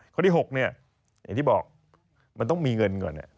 ข้อที่๖เนี่ยอย่างที่บอกมันต้องมีเงินก่อน